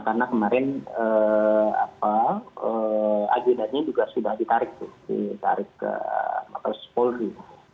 karena kemarin agendanya juga sudah ditarik ke mabes polri